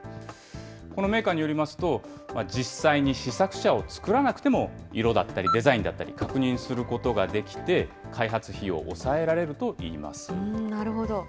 このメーカーによりますと、実際に試作車を作らなくても、色だったりデザインだったり確認することができて、開発費を抑えられるなるほど。